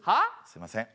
すいません。